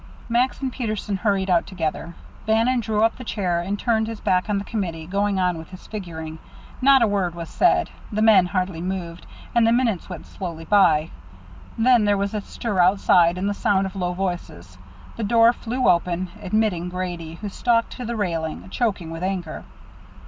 Max and Peterson hurried out together. Bannon drew up the chair, and turned his back on the committee, going on with his figuring. Not a word was said; the men hardly moved; and the minutes went slowly by. Then there was a stir outside, and the sound of low voices. The door flew open, admitting Grady, who stalked to the railing, choking with anger.